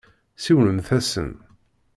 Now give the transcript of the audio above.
Siwlemt-asen.